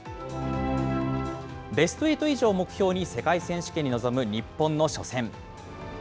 ベストエイト以上を目標に世界選手権に臨む日本の初戦。